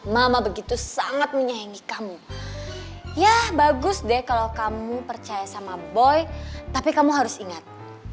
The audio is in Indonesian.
mama begitu sangat menyayangi kamu ya bagus deh kalau kamu percaya sama boy tapi kamu harus ingat